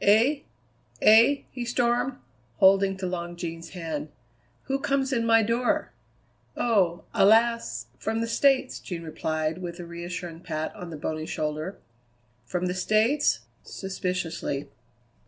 "Eh? eh?" he stormed, holding to Long Jean's hand; "who comes in my door?" "Oh! a lass from the States," Jean replied with a reassuring pat on the bony shoulder. "From the States?" suspiciously.